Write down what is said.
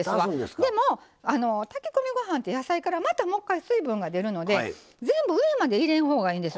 でも炊き込みご飯って野菜からまたもう一回水分が出るので全部上まで入れん方がいいんですよね。